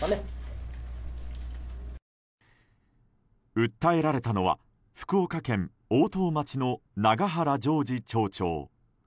訴えられたのは福岡県大任町の永原譲二町長。